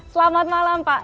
selamat malam pak